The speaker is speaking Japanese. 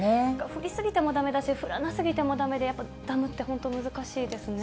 降り過ぎてもだめだし、降らなすぎてもだめで、やっぱ、ダムって本当、難しいですね。